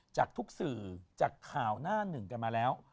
จากทุกสื่อจากข่าวหน้าหนึ่งกันมาแล้ว